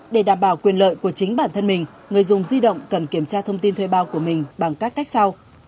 để đảm bảo quyền lợi của chính bản thân mình người dùng di động cần kiểm tra thông tin thuê bao của mình bằng các cách sau